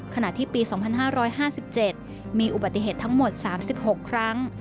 ขณะที่ปี๒๕๕๗มีอุบัติเหตุทั้งหมด๓๖ครั้ง